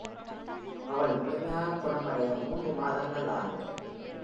அவள் முழுமையாக குணமடைய மூன்று மாதங்கள் ஆனது.